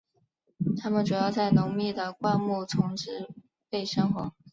它们主要在浓密的灌木丛植被生活。